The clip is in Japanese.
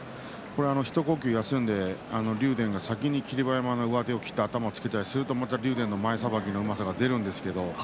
ひと呼吸休んで竜電が先に霧馬山の上手を切って頭をつけると竜電の前さばきのうまさが出ます。